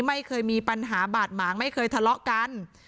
ไม่เคยมีปัญหาบาดหมางไม่เคยทะเลาะกัน